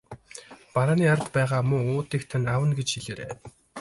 Барааны ард байгаа муу уутыг тань авна гэж хэлээрэй.